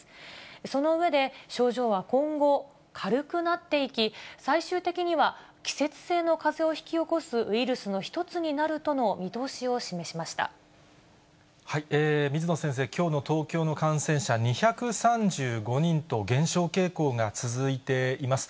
その上で、症状は今後、軽くなっていき、最終的には季節性のかぜを引き起こすウイルスの一つになるとの見水野先生、きょうの東京の感染者、２３５人と減少傾向が続いています。